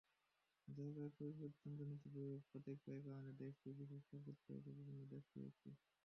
জলবায়ু পরিবর্তনজনিত বিরূপ প্রতিক্রিয়ার কারণে দেশটি বিশ্বের সর্বোচ্চ ঝুঁকিপূর্ণ দেশগুলোর একটি।